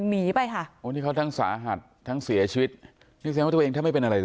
หนีไปค่ะโอ้นี่เขาทั้งสาหัสทั้งเสียชีวิตนี่แสดงว่าตัวเองแทบไม่เป็นอะไรเลย